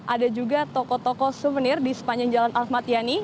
ada juga toko toko souvenir di sepanjang jalan ahmad yani